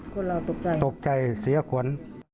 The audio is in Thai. คนเราตกใจตกใจเสียขวัญ